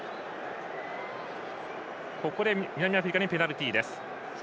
ここで南アフリカにペナルティーです。